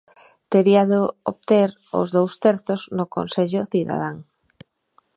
Tería de obter os dous terzos no Consello Cidadán.